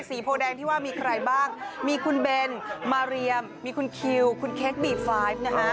โพแดงที่ว่ามีใครบ้างมีคุณเบนมาเรียมมีคุณคิวคุณเค้กบีบไฟล์นะฮะ